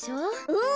うん！